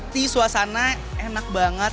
di suasana enak banget